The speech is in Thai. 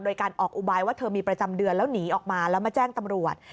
โดยการออกอุบายว่าเธอมีประจำเดือนแล้วหนีออกมาแล้วมาแจ้งตำรวจ